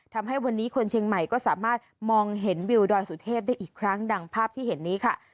ทำให้วันนี้คนเชียงใหม่ก็สามารถมองเห็นวิวดอยสุเทพได้อีกครั้งดังภาพที่เห็นนี้ค่ะ